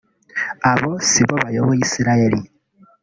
Abo si bo bayoboye Israel